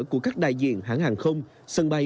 của các đại diện hãng hàng không sân bay